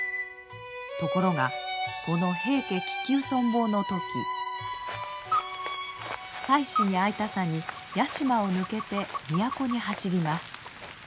ところがこの平家危急存亡の時妻子に会いたさに屋島を抜けて都に走ります。